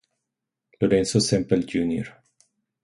Lorenzo Semple Jr.